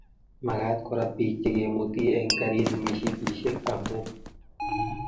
magaat korat biik chegemutii eng karit mishipishek amu